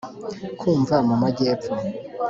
kumva mu majyepfo.